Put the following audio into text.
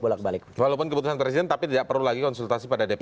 bolak balik walaupun keputusan presiden tapi tidak perlu lagi konsultasi pada dpr